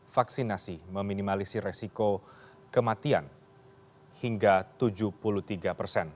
vaksinasi meminimalisi resiko kematian hingga tujuh puluh tiga persen